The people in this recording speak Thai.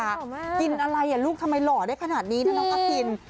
มันต้องกระติ่ง